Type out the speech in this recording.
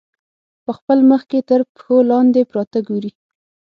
په خپل مخ کې تر پښو لاندې پراته ګوري.